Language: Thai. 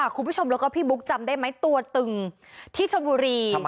คุณผู้ชมแล้วก็พี่บุ๊คจำได้ไหมตัวตึงที่ชนบุรี